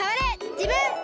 じぶん！